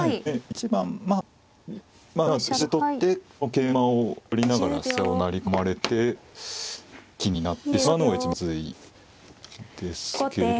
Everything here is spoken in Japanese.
この桂馬を取りながら飛車を成り込まれて金取りになってしまうのが一番まずいですけれど。